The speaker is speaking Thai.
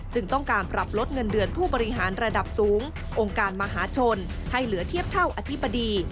ต้องการปรับลดเงินเดือนผู้บริหารระดับสูงองค์การมหาชนให้เหลือเทียบเท่าอธิบดี